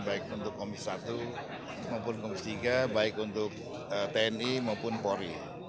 baik untuk komis satu maupun komisi tiga baik untuk tni maupun polri